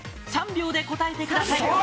３秒で答えてください